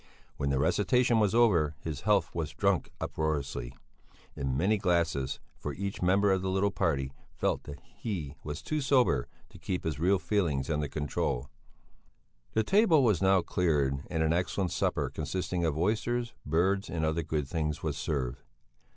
When the recitation was over, his health was drunk uproariously, in many glasses, for each member of the little party felt that he was too sober to keep his real feelings under control. The table was now cleared and an excellent supper consisting of oysters, birds, and other good things, was served.